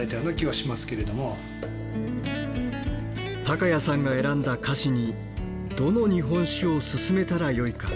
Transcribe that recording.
高家さんが選んだ菓子にどの日本酒をすすめたらよいか。